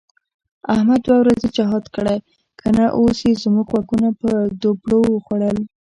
احمد دوه ورځې جهاد کړی که نه، اوس یې زموږ غوږونه په دوپړو وخوړل.